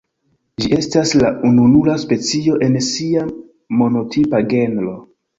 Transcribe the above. Ĝi estas la ununura specio en sia monotipa genro.